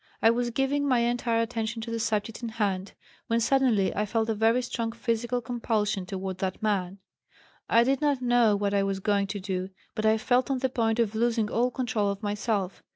I was giving my entire attention to the subject in hand, when suddenly I felt a very strong physical compulsion toward that man. I did not know what I was going to do, but I felt on the point of losing all control of myself.